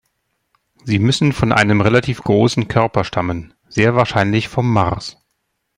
Sie müssen von einem relativ großen Körper stammen, sehr wahrscheinlich vom Mars.